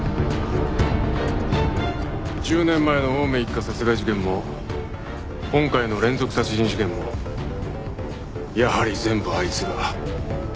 １０年前の青梅一家殺害事件も今回の連続殺人事件もやはり全部あいつが。